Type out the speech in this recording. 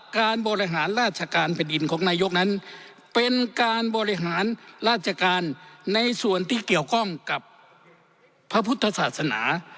การบริหารราชการแผ่นดินของนายกนั้นเป็นการบริหารราชการในส่วนที่เกี่ยวข้องกับพระพุทธศาสนา